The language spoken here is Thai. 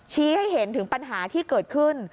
ชี้ให้เห็นถึงปัญหาที่เกิดขึ้น